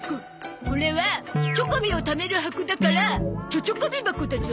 これはチョコビをためる箱だから貯チョコビ箱だゾ。